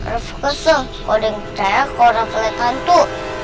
rafa kesel kok ada yang percaya kok rafa liat hantu